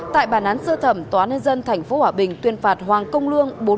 tại bàn án sơ thẩm tòa nhân dân tp hcm tuyên phạt hoàng công lương